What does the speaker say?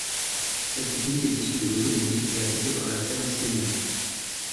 Cette technique est issue de l'automobile et appliquée par la firme Scemia.